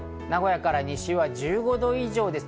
名古屋から西は１５度以上。